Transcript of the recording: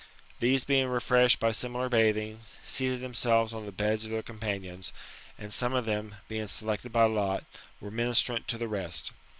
These being refreshed by similar bathing, seated themselves on the beds of their companions ; and some of them, being selected by lot, were ministrant to the rest.